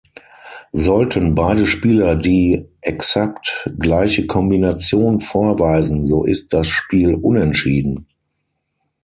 Sollten beide Spieler die "exakt" gleiche Kombination vorweisen, so ist das Spiel unentschieden.